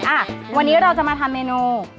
อ่ะวันนี้เราจะมาทำเมนู